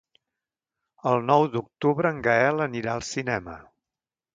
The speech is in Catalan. El nou d'octubre en Gaël anirà al cinema.